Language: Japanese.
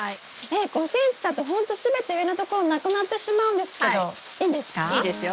えっ５ｃｍだとほんと全て上のところなくなってしまうんですけどいいんですか？